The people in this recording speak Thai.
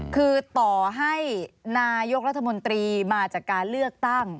คือต่อให้นายกรัฐมนตรีมาจากการเลือกตั้ง